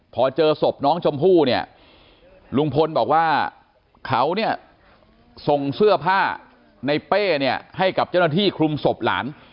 พอเจอสบน้องชมพู่ลุงพลบอกว่าเขาส่งเสื้อผ้าในเป้ให้กับเจ้าหน้าที่คลุมสบหลาน